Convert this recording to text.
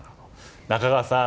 中川さん。